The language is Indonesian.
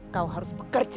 kau harus bekerja